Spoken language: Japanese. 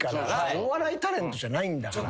お笑いタレントじゃないんだから。